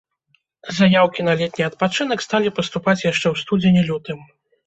Заяўкі на летні адпачынак сталі паступаць яшчэ ў студзені-лютым.